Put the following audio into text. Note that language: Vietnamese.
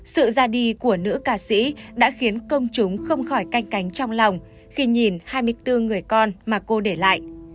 sự ra đi của nữ ca sĩ đã khiến công chúng không khỏi canh cánh trong lòng khi nhìn hai mươi bốn người con mà cô để lại